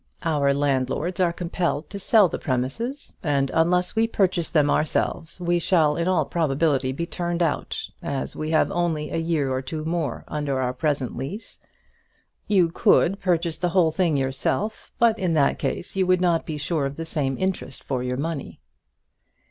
Our landlords are compelled to sell the premises, and unless we purchase them ourselves, we shall in all probability be turned out, as we have only a year or two more under our present lease. You could purchase the whole thing yourself, but in that case you would not be sure of the same interest for your money."